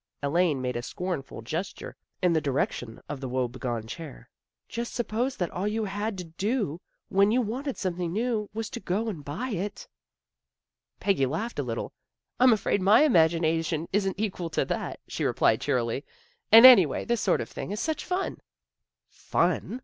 Elaine made a scornful gesture, in the direc tion of the woe begone chair. " Just suppose that all you had to do when you wanted some thing new was to go and buy it." Peggy laughed a little. "I'm afraid my im A BUSY AFTERNOON 57 agination isn't equal to that," she replied cheerily. " And, anyway, this sort of thing is such fun! "" Fun!